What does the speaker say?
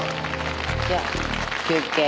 じゃ休憩。